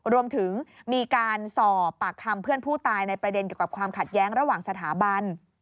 รวมถึงมีการสอบปากคำเพื่อนผู้ตายในประเด็นเกี่ยวกับความขัดแย้งระหว่างสถาบัน